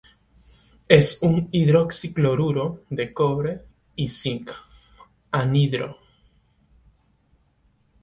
Es un hidroxi-cloruro de cobre y cinc, anhidro.